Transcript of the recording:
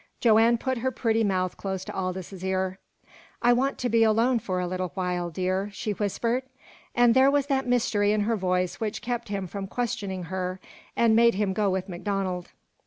Joanne put her pretty mouth close to Aldous' ear. "I want to be alone for a little while, dear," she whispered, and there was that mystery in her voice which kept him from questioning her, and made him go with MacDonald.